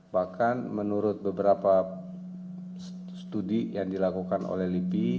bahkan menurut beberapa studi yang dilakukan oleh lipi